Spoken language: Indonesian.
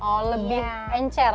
oh lebih encer